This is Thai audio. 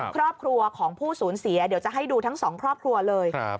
ครอบครัวของผู้สูญเสียเดี๋ยวจะให้ดูทั้งสองครอบครัวเลย